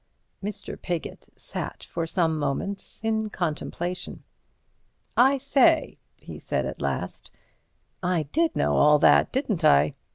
Mr. Piggott sat for some moments in contemplation. "I say," he said at last, "I did know all that, didn't I?"